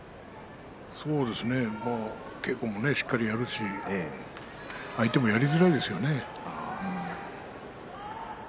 そうですね稽古もしっかりやるし相手もやりづらいですよね。